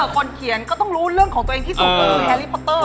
คนเขียนก็ต้องรู้เรื่องของตัวเองที่ส่งตัว